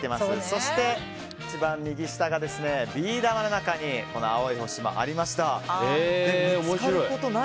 そして、一番右下がビー玉の中に青い星がありました。